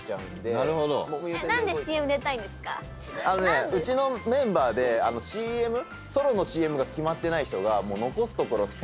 あのねうちのメンバーでソロのＣＭが決まってない人が残すところ。